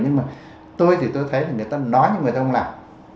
nhưng mà tôi thì tôi thấy là người ta nói nhưng người ta không làm